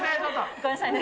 ごめんなさいね。